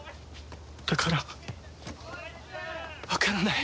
だからわからない。